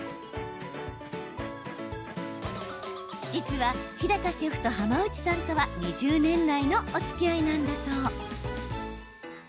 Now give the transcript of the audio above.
実は日高シェフと浜内さんとは２０年来のおつきあいなんだそう。